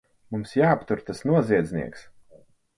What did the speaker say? Mums jāaptur tas noziedznieks!